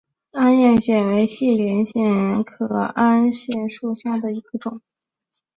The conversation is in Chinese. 鞍叶藓为细鳞藓科鞍叶藓属下的一个种。